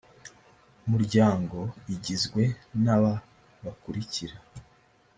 umuryango igizwe n aba bakurikira